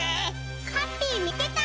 ハッピーみつけた！